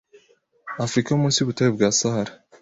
Afurika yo munsi y’ubutayu bwa Sahara